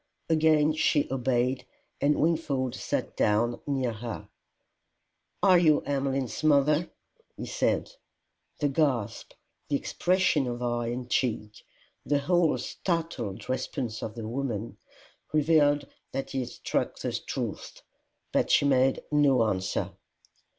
Again she obeyed, and Wingfold sat down near her. "Are you Emmeline's mother?" he said. The gasp, the expression of eye and cheek, the whole startled response of the woman, revealed that he had struck the truth. But she made no answer.